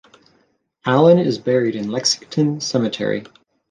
Allen is buried in Lexington Cemetery.